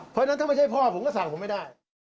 เพราะฉะนั้นถ้าไม่ใช่พ่อผมก็สั่งผมไม่ได้